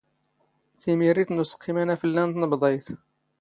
ⵜⵉⵎⵉⵔⵉⵜ ⵏ ⵓⵙⵇⵇⵉⵎ ⴰⵏⴰⴼⵍⵍⴰ ⵏ ⵜⵏⴱⴹⴰⵢⵜ.